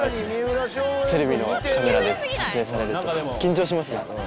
テレビのカメラで撮影されると緊張しますね。